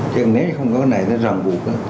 chứ nếu không có cái này nó ràng buộc